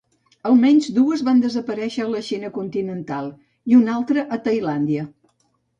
Almenys dues van desaparèixer a la Xina continental i una altra a Tailàndia.